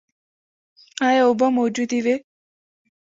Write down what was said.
ایا اوبه موجودې وې؟